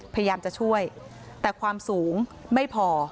พยายามจะช่วยแต่ความสูงไม่พอ